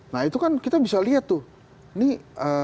nah itu kan kita bisa lihat tuh